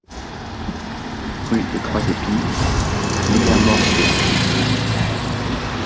Rue des Trois Epis à Niedermorschwihr